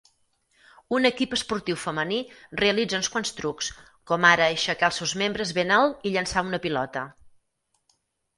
Un equip esportiu femení realitza uns quants trucs, com ara aixecar els seus membres ben alt i llençar una pilota.